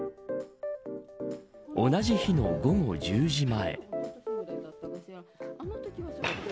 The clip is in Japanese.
同じ日の午後１０時前。